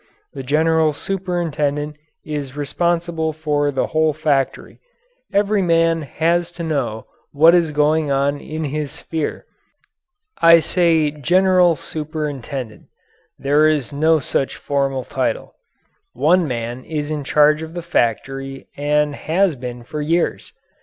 The general superintendent is responsible for the whole factory. Every man has to know what is going on in his sphere. I say "general superintendent." There is no such formal title. One man is in charge of the factory and has been for years.